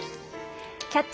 「キャッチ！